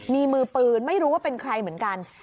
มีมือปืนไม่รู้ว่าเป็นใครเหมือนกัน